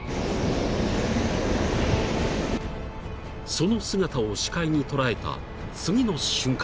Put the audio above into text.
［その姿を視界に捉えた次の瞬間］